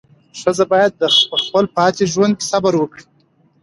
ښځه باید په خپل پاتې ژوند کې صبر وکړي.